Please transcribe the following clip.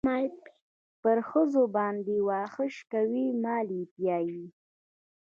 پر ښځو باندې واښه شکوي مال پيايي.